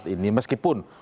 terima kasih pak